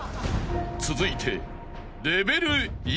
［続いて］